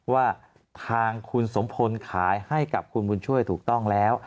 ว่าทางคุณสมพลขายให้กับคุณบุญช่วยถูกต้องแล้ว